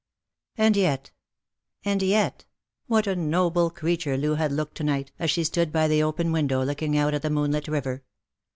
And yet — and yet — what a noble creature Loo had looked to night, ae she stood by the open window looking out at the moonlit river